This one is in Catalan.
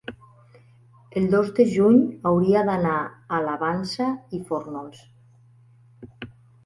el dos de juny hauria d'anar a la Vansa i Fórnols.